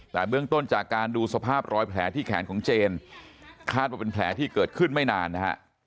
แต่เบื้องต้นจากการดูสภาพรอยแผลที่แขนของเจนคาดว่าเป็นแผลที่เกิดขึ้นไม่นานนะฮะ